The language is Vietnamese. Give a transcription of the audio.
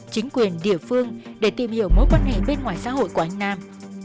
chính quyền địa phương để tìm hiểu mối quan hệ bên ngoài xã hội của anh nam